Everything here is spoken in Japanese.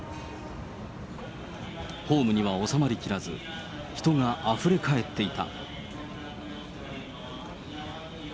ホームには収まりきらず、人があふれ返っていた。